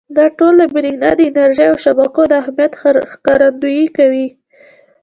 دا ټول د برېښنا د انرژۍ او شبکو د اهمیت ښکارندويي کوي.